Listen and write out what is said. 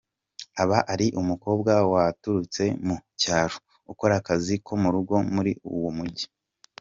Aba ari umukobwa waturutse mu cyaro, ukora akazi ko mu rugo muri uwo mujyi.